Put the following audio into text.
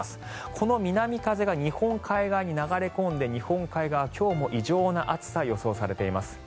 この南風が日本海側に流れ込んで日本海側は今日も異常な暑さが予想されています。